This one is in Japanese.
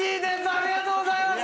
ありがとうございます。